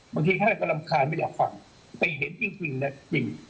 บางทีท่านก็รำคาญไม่อยากฟังไปเห็นจริงนะจริง